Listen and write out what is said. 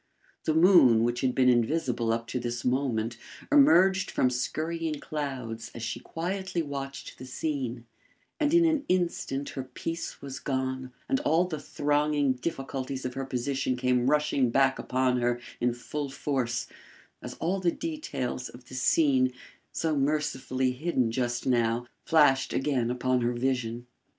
The moon, which had been invisible up to this moment, emerged from skurrying clouds as she quietly watched the scene; and in an instant her peace was gone and all the thronging difficulties of her position came rushing back upon her in full force, as all the details of the scene, so mercifully hidden just now, flashed again upon her vision.